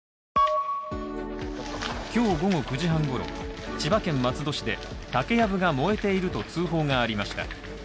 今日午後９時半ごろ、千葉県松戸市で竹やぶが燃えていると通報がありました。